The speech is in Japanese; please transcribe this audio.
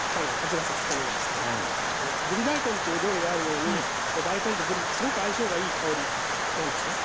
ぶり大根という料理があるように大根とぶりってすごく相性がいい香りなんですね。